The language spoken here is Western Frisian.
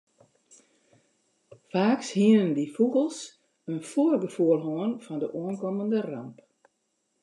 Faaks hiene dy fûgels in foargefoel hân fan de oankommende ramp.